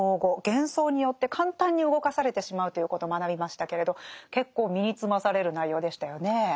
幻想によって簡単に動かされてしまうということを学びましたけれど結構身につまされる内容でしたよね。